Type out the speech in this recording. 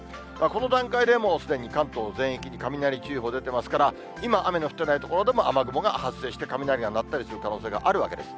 この段階でもうすでに関東全域に雷注意報、出てますから、今、雨の降っていない所でも、雨雲が発生して、雷が鳴ったりする可能性があるわけです。